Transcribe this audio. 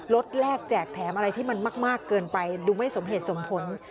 แรกแจกแถมอะไรที่มันมากเกินไปดูไม่สมเหตุสมผล